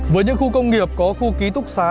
với những khu công nghiệp có khu ký túc xá